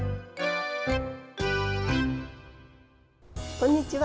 こんにちは。